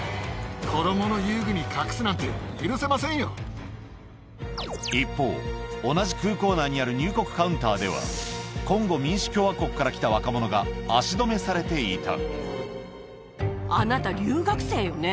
子どもの遊具に隠すなんて許一方、同じ空港内にある入国カウンターでは、コンゴ民主共和国から来たあなた、留学生よね。